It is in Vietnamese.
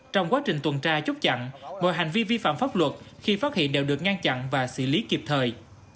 trong quá trình tuần tra chốt chặn mọi hành vi vi phạm pháp luật khi phát hiện đều được ngăn chặn và xử lý kịp thời